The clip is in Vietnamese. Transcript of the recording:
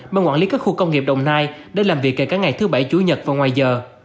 ban quản lý các khu công nghiệp đồng nai để làm việc kể cả ngày thứ bảy chủ nhật và ngoài giờ